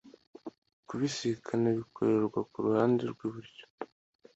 kubisikana bikorerwa kuruhanda rw' iburyo